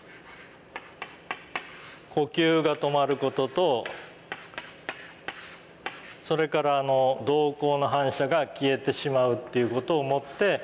呼吸が止まる事とそれから瞳孔の反射が消えてしまうっていう事をもって。